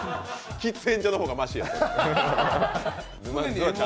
喫煙所の方がましや。